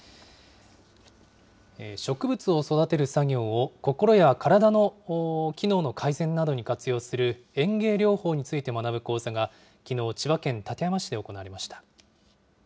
植物を育てる作業を、心や体の機能の改善などに活用する園芸療法について学ぶ講座がきのう、千葉県館山市で行われました。